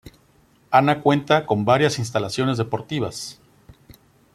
Anna cuenta con varias instalaciones deportivas.